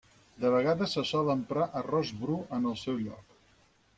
De vegades se sol emprar arròs bru en el seu lloc.